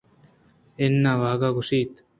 اِناںاولگا ءَ گوٛشت